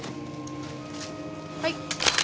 はい。